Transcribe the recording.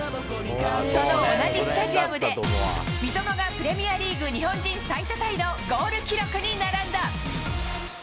その同じスタジアムで、三笘がプレミアリーグ日本人最多タイのゴール記録に並んだ。